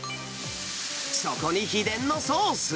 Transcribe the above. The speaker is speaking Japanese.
そこに秘伝のソース。